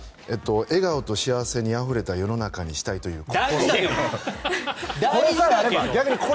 笑顔と幸せにあふれた世の中にしたいという心。